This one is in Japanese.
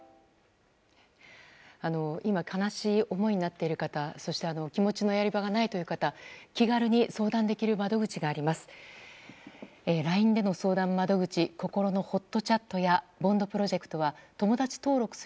今、悲しい思いになっている方そして気持ちのやり場がないという方気軽に相談できる窓口があります。